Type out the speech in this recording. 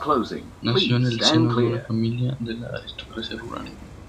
Nació en el seno de una familia de la aristocracia rural.